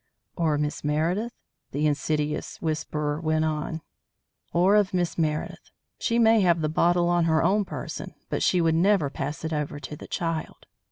"Or Miss Meredith?" the insidious whisperer went on. "Or Miss Meredith. She may have the bottle on her own person, but she would never pass it over to the child.